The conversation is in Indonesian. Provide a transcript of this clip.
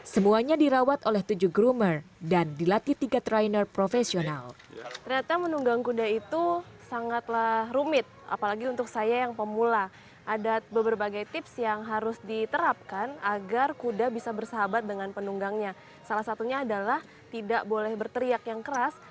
semuanya dirawat oleh tujuh groomer dan dilatih tiga trainer profesional